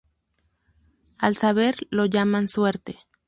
Al saber lo llaman suerte